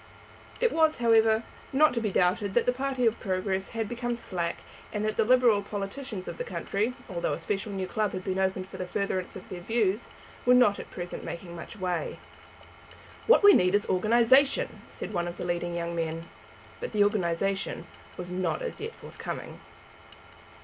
It was, however, not to be doubted that the party of Progress had become slack, and that the Liberal politicians of the country, although a special new club had been opened for the furtherance of their views, were not at present making much way. "What we want is organization," said one of the leading young men. But the organization was not as yet forthcoming.